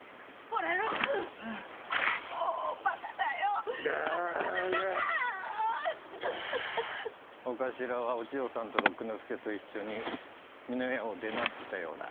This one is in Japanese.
お頭はお千代さんと六之助と一緒に美濃屋を出なすったようだ。